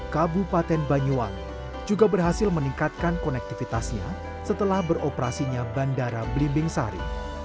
kabupaten banyuwangi juga berhasil meningkatkan konektivitasnya setelah beroperasinya bandara belimbing sari